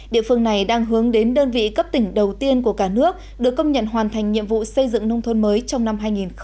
địa phương này đang hướng đến đơn vị cấp tỉnh đầu tiên của cả nước được công nhận hoàn thành nhiệm vụ xây dựng nông thôn mới trong năm hai nghìn một mươi chín